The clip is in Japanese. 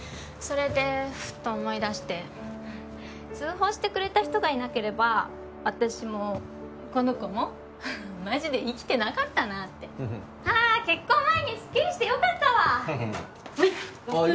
それでふと思い出して通報してくれた人がいなければ私もこの子もマジで生きてなかったなあってはあ結婚前にスッキリしてよかったわほ